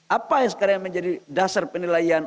apa yang sekarang menjadi dasar penilaian